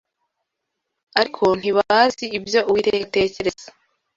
Ariko ntibazi ibyo Uwiteka atekereza